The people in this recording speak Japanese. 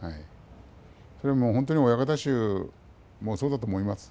それは、もう本当に親方衆もそうだと思います。